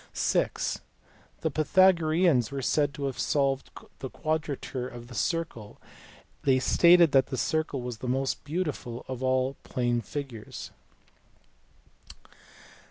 PYTHAGORAS. 27 (vi) The Pythagoreans were said to have solved the quad rature of the circle : they stated that the circle was the most beautiful of all plane figures.